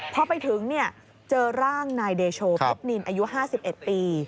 พอไปถึงเจอร่างนายเดโชเพชรนินอายุ๕๑ปี